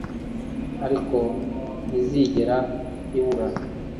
ariko ntizigera ibura